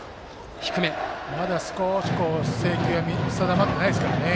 まだ少し制球が定まってないですからね。